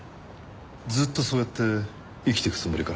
ずっとそうやって生きていくつもりか？